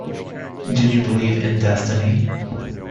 Do you believe in destiny?